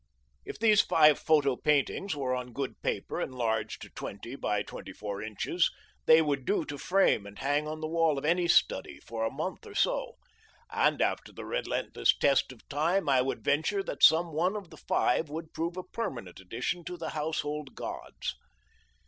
If these five photo paintings were on good paper enlarged to twenty by twenty four inches, they would do to frame and hang on the wall of any study, for a month or so. And after the relentless test of time, I would venture that some one of the five would prove a permanent addition to the household gods.